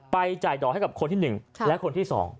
ไปจ่ายด่อให้ของคนที่๑และคนที่๒